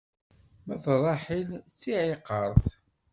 Ma d Ṛaḥil, d tiɛiqert.